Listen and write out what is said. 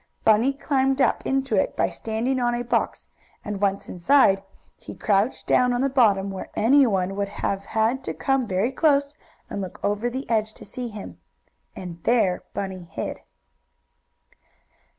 Bunny climbed up into it by standing on a box, and, once inside, he crouched down on the bottom, where anyone would have had to come very close, and look over the edge, to see him. And there Bunny hid.